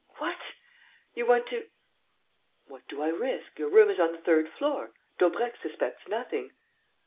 "What! You want to...." "What do I risk? Your room is on the third floor. Daubrecq suspects nothing."